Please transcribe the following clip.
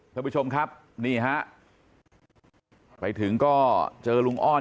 ท่านผู้ชมครับนี่ฮะไปถึงก็เจอลุงอ้อน